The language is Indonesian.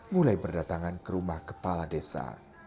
mulai berdatangan ke rumah kepala desa